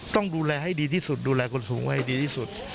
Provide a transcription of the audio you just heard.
ต้องดูแลให้ดีที่สุดดูแลคนสูงไว้ให้ดีที่สุด